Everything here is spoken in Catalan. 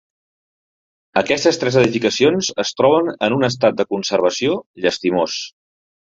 Aquestes tres edificacions es troben en un estat de conservació llastimós.